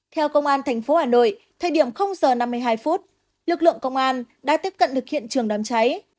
theo công an tp hà nội thời điểm giờ năm mươi hai phút lực lượng công an đã tiếp cận được hiện trường đám cháy